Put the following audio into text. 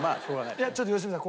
いやちょっと良純さん